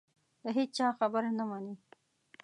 د هېچا خبره نه مني